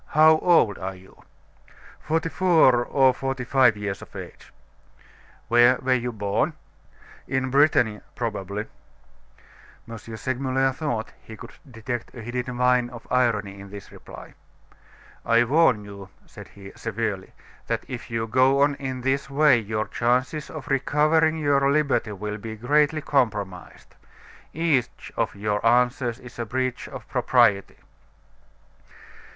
"How old are you?" "Forty four or forty five years of age." "Where were you born?" "In Brittany, probably." M. Segmuller thought he could detect a hidden vein of irony in this reply. "I warn you," said he, severely, "that if you go on in this way your chances of recovering your liberty will be greatly compromised. Each of your answers is a breach of propriety."